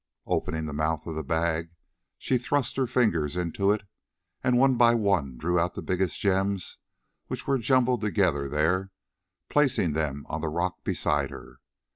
Opening the mouth of the bag, she thrust her fingers into it, and one by one drew out the biggest gems which were jumbled together there, placing them on the rock beside her.